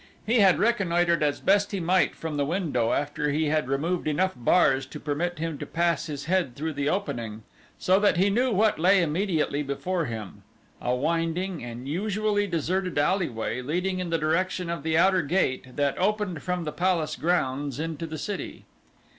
He had reconnoitered as best he might from the window after he had removed enough bars to permit him to pass his head through the opening, so that he knew what lay immediately before him a winding and usually deserted alleyway leading in the direction of the outer gate that opened from the palace grounds into the city.